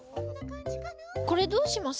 これどうしますか？